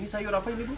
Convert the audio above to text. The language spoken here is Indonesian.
sayur apa ini bu